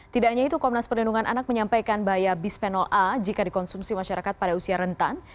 tidak hanya itu komnas perlindungan anak menyampaikan bahaya bisphenol a jika dikonsumsi masyarakat pada usia rentan